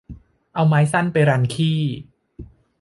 เอาไม้สั้นไปรันขี้